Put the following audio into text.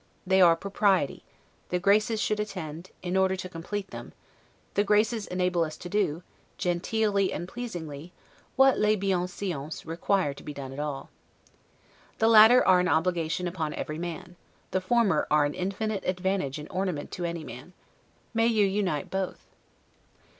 They are propriety; the Graces should attend, in order to complete them; the Graces enable us to do, genteelly and pleasingly, what 'les bienseances' require to be done at all. The latter are an obligation upon every man; the former are an infinite advantage and ornament to any man. May you unite both!